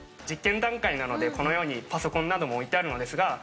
実験段階なのでこのようにパソコンなども置いてあるのですが。